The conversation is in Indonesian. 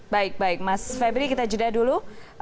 baik baik mas febri kita jeda dulu